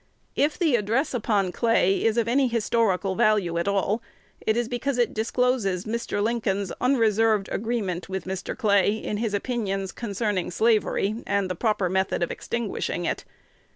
If the address upon Clay is of any historical value at all, it is because it discloses Mr. Lincoln's unreserved agreement with Mr. Clay in his opinions concerning slavery and the proper method of extinguishing it.